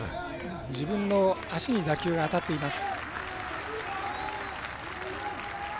自分の足に打球が当たっています。